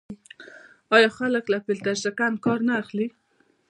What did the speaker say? آیا خلک له فیلټر شکن کار نه اخلي؟